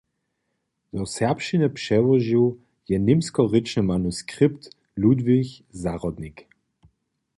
Do serbšćiny přełožił je němskorěčny manuskript Ludwig Zahrodnik.